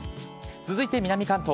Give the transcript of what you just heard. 続いて南関東。